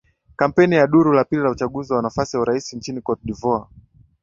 kampeni za duru la pili la uchaguzi wa nafasi ya urais nchini cote dvoire